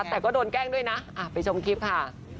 แต่ก็โดนแกล้งด้วยนะไปชมคลิปค่ะ